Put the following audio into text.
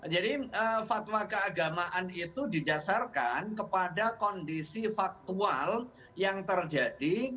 jadi fatwa keagamaan itu didasarkan kepada kondisi faktual yang terjadi